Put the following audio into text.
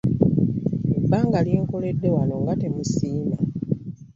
Ebbanga lye nkoledde wano nga temunsiima!